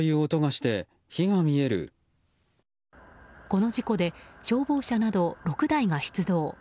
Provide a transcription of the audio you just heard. この事故で消防車など６台が出動。